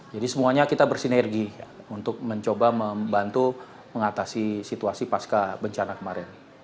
jadi semuanya kita bersinergi untuk mencoba membantu mengatasi situasi pasca bencana kemarin